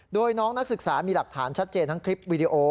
โดยน้องนักศึกษามีหลักฐานชัดเจนทั้งคลิปวิดีโอ